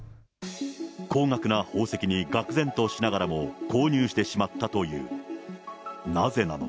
高額な宝石にがく然としながらも、購入してしまったという。